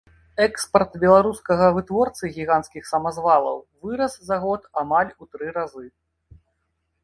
Экспарт беларускага вытворцы гіганцкіх самазвалаў вырас за год амаль у тры разы.